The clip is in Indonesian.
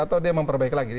atau dia memperbaiki lagi